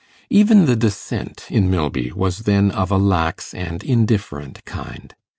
Even the Dissent in Milby was then of a lax and indifferent kind.